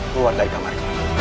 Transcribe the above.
keluar dari kamar